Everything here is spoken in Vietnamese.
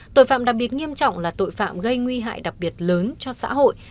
tội phạm đặc biệt nghiêm trọng là tội phạm gây nguy hại đặc biệt lớn cho xã hội